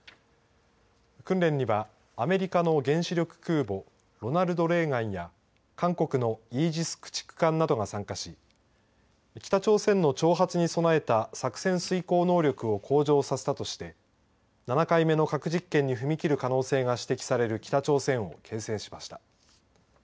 訓練にはアメリカの原子力空母「ロナルド・レーガン」や韓国のイージス駆逐艦などが参加し北朝鮮の挑発に備えた作戦遂行能力を向上させたとして７回目の核実験に踏み切る可能性が指摘される北朝鮮をけん制しました。